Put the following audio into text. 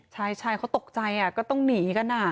ใช่เขาตกใจอ่ะก็ต้องหนีกันอ่ะ